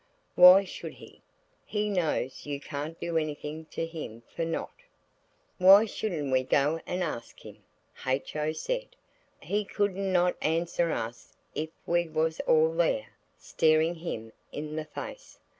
"Why should he? He knows you can't do anything to him for not." "Why shouldn't we go and ask him?" H.O. said. "He couldn't not answer us if we was all there, staring him in the face."